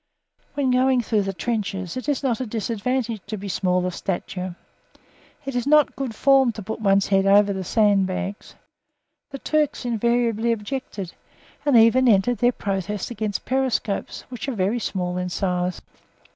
When going through the trenches it is not a disadvantage to be small of stature. It is not good form to put one's head over the sandbags; the Turks invariably objected, and even entered their protest against periscopes, which are very small in size.